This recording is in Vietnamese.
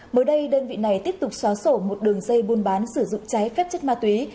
mới đây đơn vị này tiếp tục xóa sổ một đường dây buôn bán sử dụng cháy phép chất ma túy